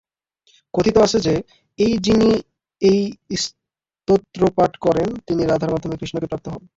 কথিত আছে যে, এই যিনি এই স্তোত্র পাঠ করেন, তিনি রাধার মাধ্যমে কৃষ্ণকে প্রাপ্ত হন।